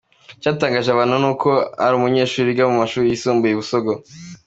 Icyatangaje abantu ni uko ari umunyeshuri wiga mu mashuri yisumbuye i Busogo.